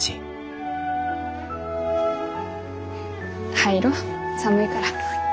入ろ寒いから。